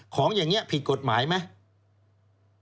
ของอย่างนี้ผิดกฎหมายไหม